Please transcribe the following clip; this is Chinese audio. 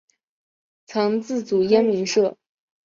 曾自组燕鸣社。